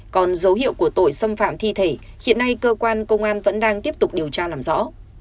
còn dấu hiệu của tội xâm phạm thi thể hiện nay cơ quan công an vẫn đang tiếp tục điều tra làm rõ